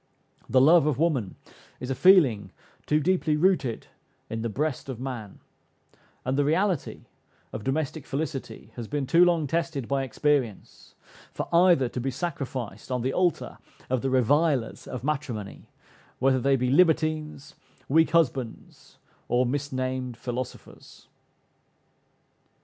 "The love of woman" is a feeling too deeply rooted in the breast of man, and the reality of domestic felicity has been too long tested by experience, for either to be sacrificed on the altar of the revilers of matrimony, whether they be libertines, weak husbands, or misnamed "philosophers."